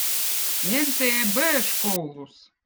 lentäjä eb õõ škouluz